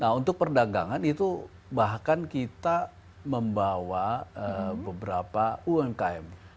nah untuk perdagangan itu bahkan kita membawa beberapa umkm